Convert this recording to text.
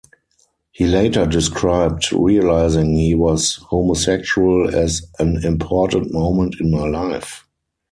He later described realising he was homosexual as "an important moment in my life".